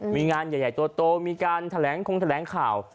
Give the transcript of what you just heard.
มีงานใหญ่โตมีการแถลงคงแถลงข่าว